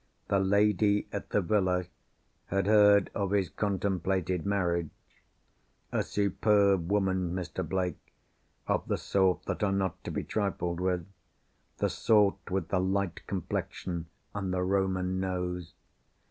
The lady at the Villa, had heard of his contemplated marriage. A superb woman, Mr. Blake, of the sort that are not to be trifled with—the sort with the light complexion and the Roman nose.